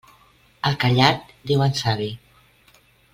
Al callat diuen savi.